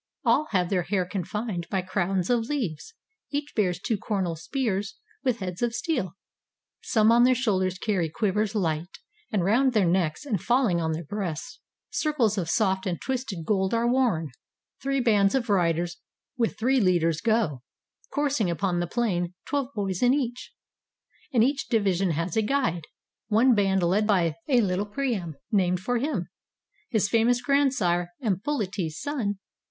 All have their hair confined by crowns of leaves; Each bears two cornel spears with heads of steel. Some on their shoulders carry quivers Hght; And round their necks, and falHng on their breasts, Circles of soft and twisted gold are worn. 242 FUNERAL GAMES IN HONOR OF ANCHISES Three bands of riders, with three leaders, go Coursing upon the plain, twelve boys in each; And each division has a guide: one band Led by a Httle Priam, named for him, His famous grandsire, and PoHtes' son.